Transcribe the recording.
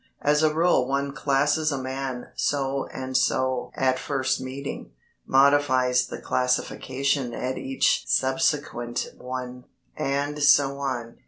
As a rule one classes a man so and so at first meeting, modifies the classification at each subsequent one, and so on.